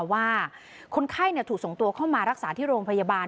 ว่าคนไข้ถูกส่งตัวเข้ามารักษาที่โรงพยาบาล